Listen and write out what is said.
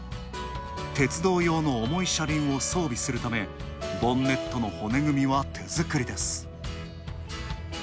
鉄道用の重い車輪を装備するため、ボンネットの骨組みは手作りです。